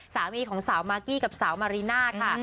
สามีของสาวมากกี้กับสาวมาริน่าค่ะ